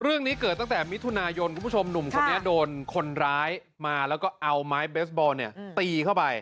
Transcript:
เรื่องนี้เกิดตั้งแต่มิถุนายนคุณผู้ชมหนุ่มคนนี้โดนคนร้ายมาแล้วก็เอาไม้เบสบอลเนี่ยตีเข้าไป